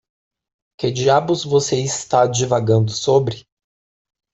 Que diabos você está divagando sobre?